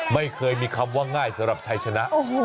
ไม่เคยมีคำว่าง่ายสำหรับชัยชนะ